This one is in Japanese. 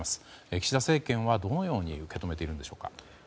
岸田政権はどのように受け止めているんでしょうか？